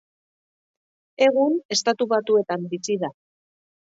Egun Estatu Batuetan bizi da.